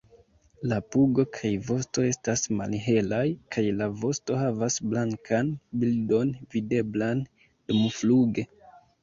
La pugo kaj vosto estas malhelaj, kaj la vosto havas blankan bildon videblan dumfluge.